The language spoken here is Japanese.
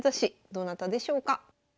どなたでしょうか。